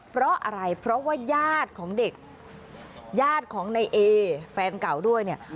เพราะอะไรเพราะว่าญาติของเด็กญาติของในเอแฟนเก่าด้วยเนี่ย